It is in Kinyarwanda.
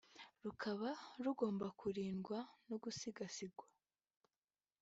rukaba rugomba kurindwa no gusigasirwa